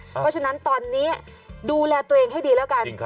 เพราะฉะนั้นตอนนี้ดูแลตัวเองให้ดีแล้วกัน